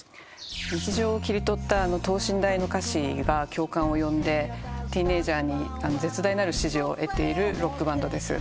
日常を切り取った等身大の歌詞が共感を呼んでティーンエージャーに絶大なる支持を得ているロックバンドです。